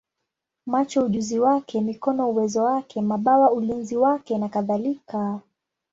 macho ujuzi wake, mikono uwezo wake, mabawa ulinzi wake, nakadhalika.